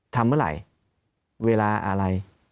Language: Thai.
ทำเมื่อไหร่เวลาอะไร